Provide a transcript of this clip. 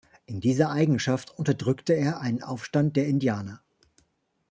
In dieser Eigenschaft unterdrückte er einen Aufstand der Indianer.